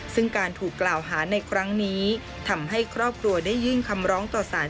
ซึ่งการถูกกล่าวหาในครั้งนี้ทำให้ครอบครัวได้ยื่นคำร้องต่อสาร